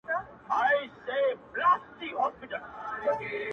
د ښایستونو خدایه سر ټيټول تاته نه وه،